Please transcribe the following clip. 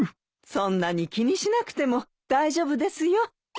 そんなに気にしなくても大丈夫ですよ。